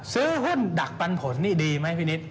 ซื้อหุ้นดักปันผลนี่ดีไหมพี่นิด